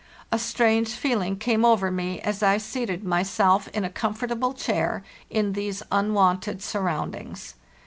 A strange feeling came over me as I seated myself in a comfortable chair in these unwonted surroundings.